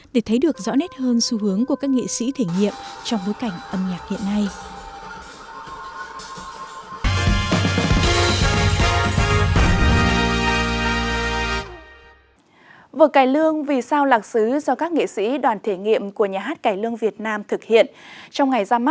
để thấy được rõ nét hơn xu hướng của các nghệ sĩ thể nghiệm trong bối cảnh âm nhạc hiện nay